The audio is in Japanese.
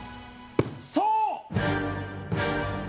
そう！